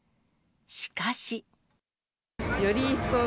しかし。